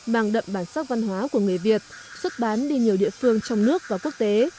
mang đậm bản sắc văn hóa của người việt xuất bán đi nhiều địa phương trong nước và quốc tế